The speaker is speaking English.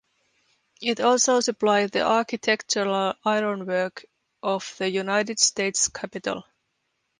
It also supplied the architectural ironwork of the United States Capitol.